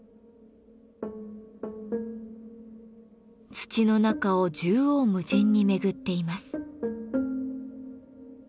土の中を縦横無尽に巡っています。